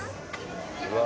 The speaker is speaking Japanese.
うわ